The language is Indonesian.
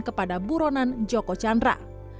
kepada buronan joko chandra